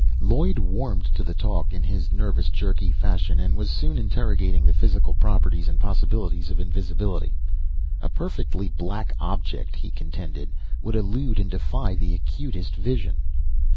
Lloyd warmed to the talk in his nervous, jerky fashion, and was soon interrogating the physical properties and possibilities of invisibility. A perfectly black object, he contended, would elude and defy the acutest vision.